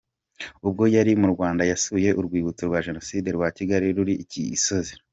Ubwo yari mu Rwanda yasuye urwibutso rwa Jenoside rwa Kigali ruri ku Gisozi.